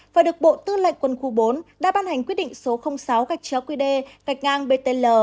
và được bộ tư lệnh quân khu bốn đã ban hành quyết định số sáu qd btl